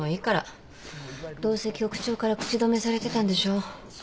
どうせ局長から口止めされてたんでしょ。